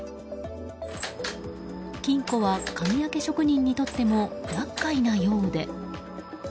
金庫は鍵開け職人にとっても厄介なようで。